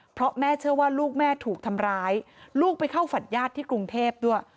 เพราะแม่เชื่อว่าลูกแม่ถูกทำร้ายลูกไปเข้าฝันญาติที่กรุงเทพด้วย